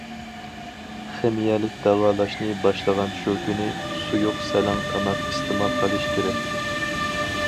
خىمىيەلىك داۋالاشنى باشلىغان شۇ كۈنى، سۇيۇق- سەلەڭ تاماق ئىستېمال قىلىش كېرەك.